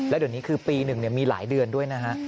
แล้วเดี๋ยวนี้คือปีหนึ่งมีหลายเดือนด้วยนะฮะ